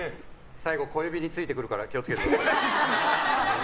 最後、小指についてくるから気を付けてくださいね。